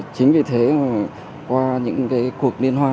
chính vì thế qua những cái cuộc niên hoan